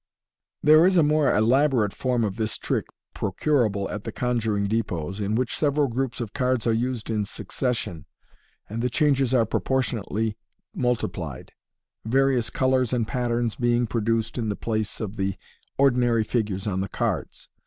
There is a more elaborate form of this trick procurable at the conjuring depots, in which several groups of cards are used in succes sion, and the changes are proportionately multiplied, various colours and patterns being produced in the place of the ordinary figures on the cards.